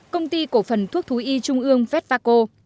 công ty cổ phần thuốc thú y trung ương festvaco